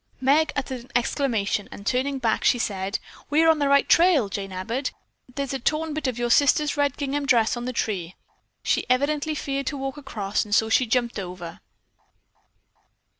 Meg uttered an exclamation and turning back she said: "We are on the right trail, Jane Abbott. There is a torn bit of your sister's red gingham dress on the tree. She evidently feared to walk across and so she jumped over."